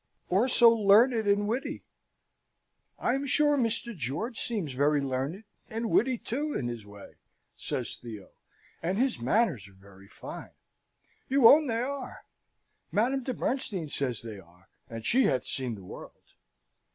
"Or so learned and witty?" "I am sure Mr. George seems very learned, and witty too, in his way," says Theo; "and his manners are very fine you own they are. Madame de Bernstein says they are, and she hath seen the world.